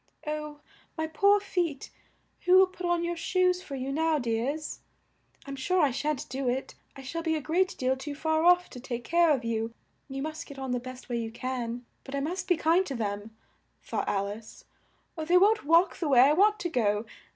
"Oh, my poor feet, who will put on your shoes for you now, dears? I'm sure I shan't do it. I shall be a great deal too far off to take care of you; you must get on the best way you can; but I must be kind to them," thought Al ice, "or they won't walk the way I want to go!